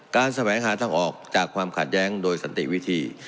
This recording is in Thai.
แสวงหาทางออกจากความขัดแย้งโดยสันติวิธี